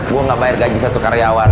hah gua gak bayar gaji satu karyawan